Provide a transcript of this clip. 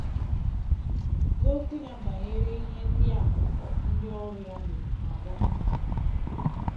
N'okwu ya banyere ihe ndị a ndị ọrụ ya mere na agbambọ ha